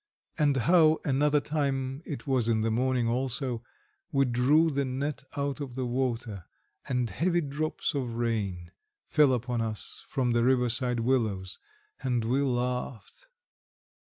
And how, another time it was in the morning also we drew the net out of the water, and heavy drops of rain fell upon us from the riverside willows, and we laughed.